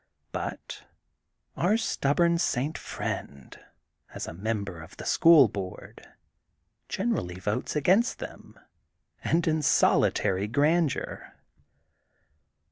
But our stubborn St. Friend, as a member of the school board, generally votes against them, and in solitary grandeur.